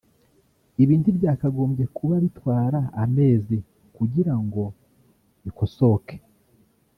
Ibi ntibyakagombye kuba bitwara amezi kugira ngo bikosoke